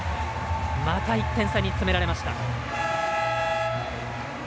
また１点差に詰められました。